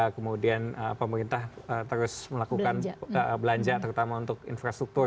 kemudian pemerintah terus melakukan belanja terutama untuk infrastruktur